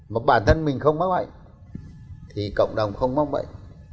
mà bản thân mình không mắc bệnh thì cộng đồng không mắc bệnh